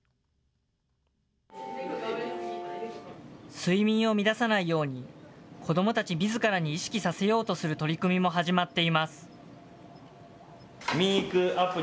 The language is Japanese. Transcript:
睡眠を乱さないように、子どもたちみずからに意識させようとする取り組みも始まっています。